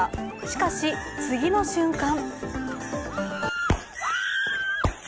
しかし、次の瞬間。